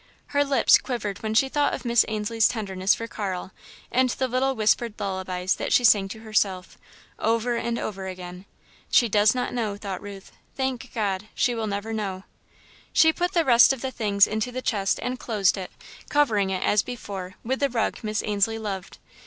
Her lips quivered when she thought of Miss Ainslie's tenderness for Carl and the little whispered lullabies that she sang to herself, over and over again. "She does not know," thought Ruth. "Thank God, she will never know!" She put the rest of the things into the chest and closed it, covering it, as before, with the rug Miss Ainslie loved.